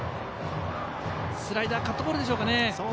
スライダーカットボールでしょうか。